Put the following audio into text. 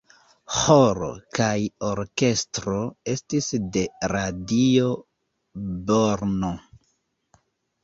Ĥoro kaj orkestro estis de Radio Brno.